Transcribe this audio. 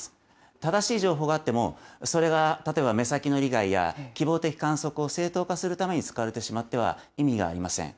正しい情報があっても、それが例えば目先の利害や、希望的観測を正当化するために使われてしまっては、意味がありません。